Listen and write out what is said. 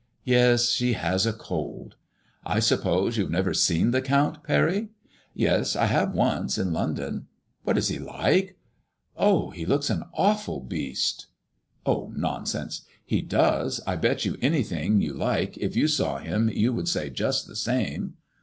Yes ; she has a cold. I sup pose you have never seen the Count, Parry ?"" Yes, I have once, in London. " What is he like ?"Oh, he looks an awful beast" " Oh, nonsense !"He does. I bet you anything you like, if you saw him you would say just the same."